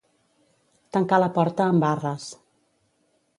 Tancar la porta amb barres.